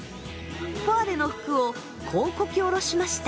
ポワレの服をこうこき下ろしました。